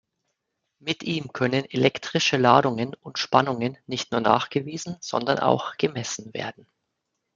Mit ihm können elektrische Ladungen und Spannungen nicht nur nachgewiesen, sondern auch gemessen werden.